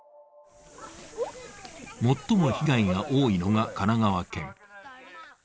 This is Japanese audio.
最も被害が多いのが神奈川県。